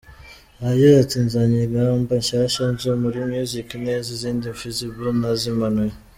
Yagize ati “Nzanye ingamba nshyashya nje muri music neza izindi fisible nazimanuye.